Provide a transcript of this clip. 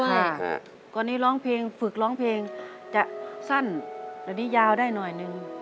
วันนี้ฟึกร้องเพลงจะสั้นและยาวได้หน่อยหนึ่ง